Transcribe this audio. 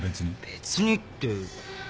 別にって。